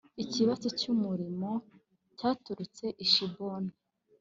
ikibatsi cy’umuriro cyaturutse i heshiboni.